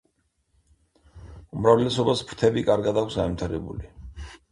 უმრავლესობას ფრთები კარგად აქვს განვითარებული.